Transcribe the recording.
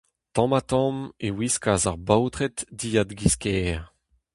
Tamm-ha-tamm e wiskas ar baotred dilhad giz kêr.